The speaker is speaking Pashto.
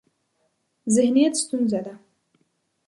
ذهنیت ستونزه ده.